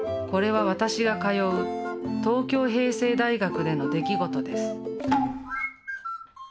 これは私が通う東京平成大学での出来事です。